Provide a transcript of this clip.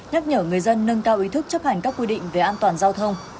nhắc nhở người dân nâng cao ý thức chấp hành các quy định về an toàn giao thông